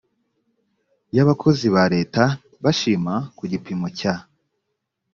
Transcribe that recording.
y abakozi ba leta bashima ku gipimo cya